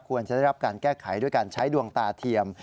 ควรจะได้รับการแก้ไขด้วยการใช้ดวงตาเทียม